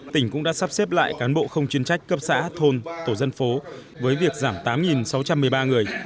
tỉnh cũng đã sắp xếp lại cán bộ không chuyên trách cấp xã thôn tổ dân phố với việc giảm tám sáu trăm một mươi ba người